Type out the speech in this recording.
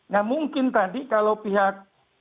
nah mungkin tadi kalau pihak